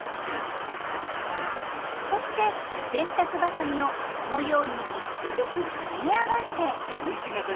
そして洗濯ばさみをこのように３つずつ組み合わせ。